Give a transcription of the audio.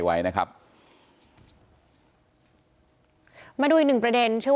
แม่น้องชมพู่แม่น้องชมพู่